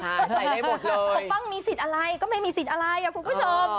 ปกป้องมีสิทธิ์อะไรก็ไม่มีสิทธิ์อะไรคุณผู้ชม